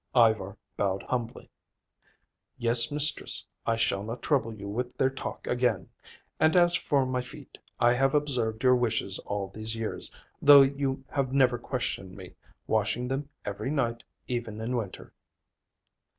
Ivar bowed humbly. "Yes, mistress, I shall not trouble you with their talk again. And as for my feet, I have observed your wishes all these years, though you have never questioned me; washing them every night, even in winter."